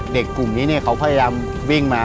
กลุ่มนี้เขาพยายามวิ่งมา